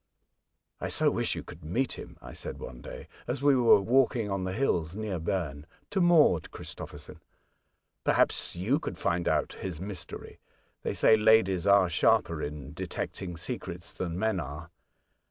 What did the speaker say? *' I so wish you could meet him," I said one day, as we were walking on the hills near Berne, to Maud Christopherson. '* Perhaps you could find out his mystery. They say ladies are sharper in detecting secrets than men are."